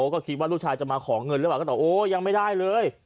ก็คิดว่าลูกชายจะมาขอเงินหรือเปล่าก็ตอบโอ้ยังไม่ได้เลย